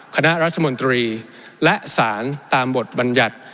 คณะรัฐมนตรีและสารตามบทบัญญัติ